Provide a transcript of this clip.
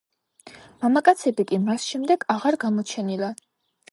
მამაკაცები კი მას შემდეგ აღარ გამოჩენილან.